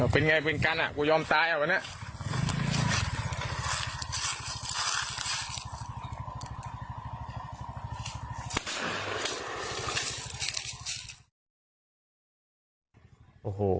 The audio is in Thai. เป็นไงเป็นกันอ่ะกูยอมตายอ่ะวันนี้